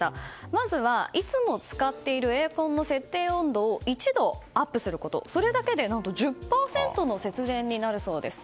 まずはいつも使っているエアコンの設定温度を１度アップすること、それだけで１０％の節電になるそうです。